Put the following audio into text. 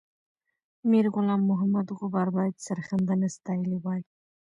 میرغلام محمد غبار باید سرښندنه ستایلې وای.